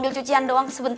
maksudnya cowok agak susah